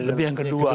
lebih yang kedua